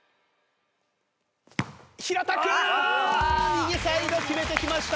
右サイド決めてきました。